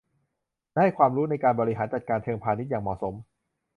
และให้ความรู้ในการบริหารจัดการเชิงพาณิชย์อย่างเหมาะสม